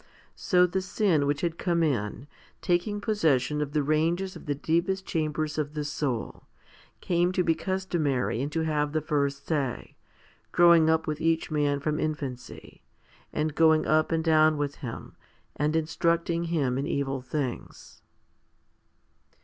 So the sin which had come in, taking possession of the ranges of the deepest chambers of the soul, came to be customary and to have the first say, growing up with each man from infancy, and going up and down with him, and instructing him in evil things.